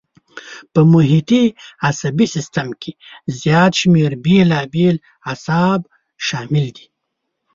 په محیطي عصبي سیستم کې زیات شمېر بېلابېل اعصاب شامل دي.